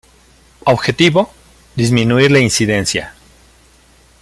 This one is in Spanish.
Objetivo: disminuir la incidencia.